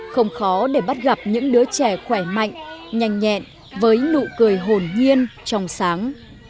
không khó để bắt gặp những đứa trẻ khỏe mạnh nhanh nhẹn với nụ cười hồn nhiên trong sáng